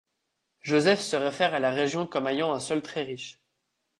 Josèphe se réfère à la région comme ayant un sol très riche.